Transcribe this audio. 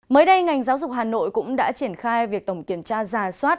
mới đây ngành giáo dục hà nội cũng đã triển khai việc tổng kiểm tra giả soát